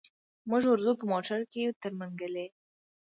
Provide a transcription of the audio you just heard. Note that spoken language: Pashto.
موږ ورځو په موټر کي تر منګلي.